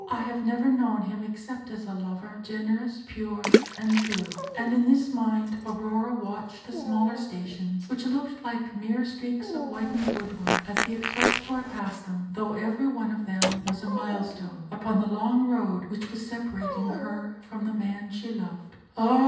I have never known him except as a lover generous, pure, and true." And in this mind Aurora watched the smaller stations, which looked like mere streaks of whitened wood work as the express tore past them, though every one of them was a mile stone upon the long road which was separating her from the man she loved. Ah!